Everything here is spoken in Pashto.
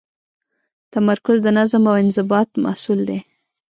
تمرکز د نظم او انضباط محصول دی.